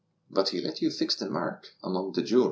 But he let you fix the marc Among the jewelers.